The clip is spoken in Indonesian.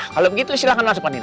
kalo begitu silahkan masuk pak nino